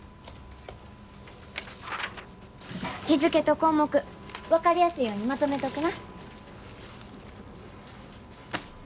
日付と項目分かりやすいようにまとめとくな。